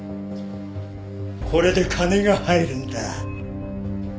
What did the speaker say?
これで金が入るんだ。